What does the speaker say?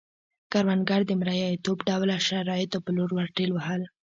کروندګر د مریتوب ډوله شرایطو په لور ورټېل وهل شول